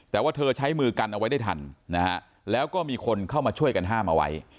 แต่ว่าเธอใช้มือกันเอาไว้ได้ทันนะฮะแล้วก็มีคนเข้ามาช่วยกันห้ามเอาไว้